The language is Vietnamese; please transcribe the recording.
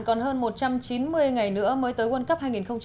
còn hơn một trăm chín mươi ngày nữa mới tới quân cấp hai nghìn một mươi tám